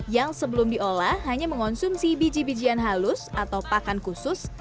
yang sebelum diolah hanya mengonsumsi biji bijian halus atau pakan khusus